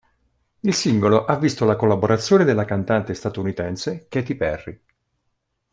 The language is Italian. Il singolo ha visto la collaborazione della cantante statunitense Katy Perry.